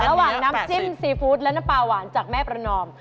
น้ำจิ้มซีฟู้ดและน้ำปลาหวานจากแม่ประนอม